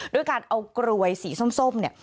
ด้วยการเอากลวยสีส้มเนี่ย